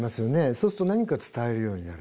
そうすると何か伝えるようになる。